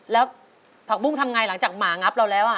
แล้วผักบุ้งทำไงหลังจากหมางับเราแล้ว